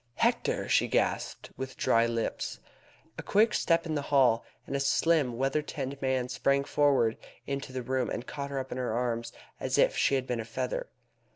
"Hector!" she gasped, with dry lips. A quick step in the hall, and a slim, weather tanned young man sprang forward into the room, and caught her up in his arms as if she had been a feather.